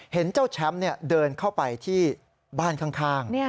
เห็นเจ้าแชมป์เดินเข้าไปที่บ้านข้าง